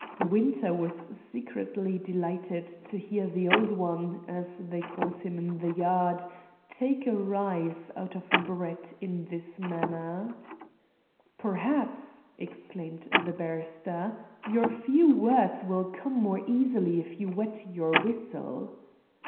Winter was secretly delighted to hear the "Old 'Un," as they called him in the Yard, take a rise out of Brett in this manner. "Perhaps," exclaimed the barrister, "your few words will come more easily if you wet your whistle."